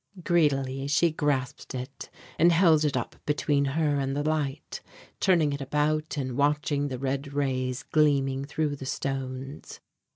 Greedily she grasped it and held it up between her and the light, turning it about and watching the red rays gleaming through the stones.